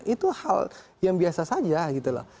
itu hal yang biasa saja